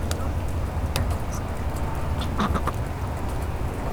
El orden básico es Sujeto Verbo Objeto.